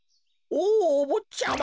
おぉおぼっちゃま！